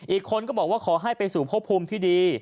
อีกคนก็บอกว่าขอให้ไปสู่พบภูมิที่ดี